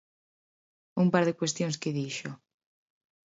Un par de cuestións que dixo.